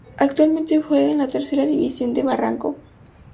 Actualmente juega en la Tercera División de Barranco.